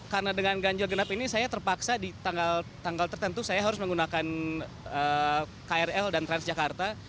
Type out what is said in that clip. karena dengan ganjil genap ini saya terpaksa di tanggal tertentu saya harus menggunakan krl dan transjakarta